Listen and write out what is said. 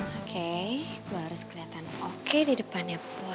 oke gua harus keliatan oke di depannya boy